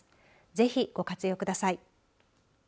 ぜひ、ご活用ください。